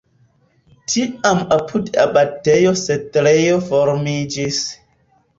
Tiam apud abatejo setlejo formiĝis.